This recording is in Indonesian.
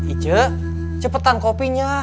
ije cepetan kopinya